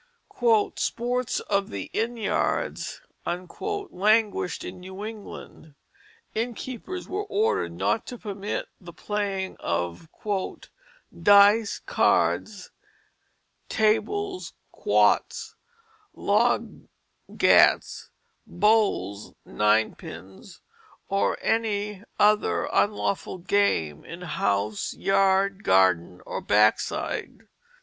"Sports of the Innyards" languished in New England. Innkeepers were ordered not to permit the playing of "Dice, Cards, Tables, Quoits, Log gats, Bowls, Ninepins, or any other Unlawful Game in house, yard, Garden or backside."